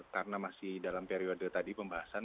karena masih dalam periode tadi pembahasan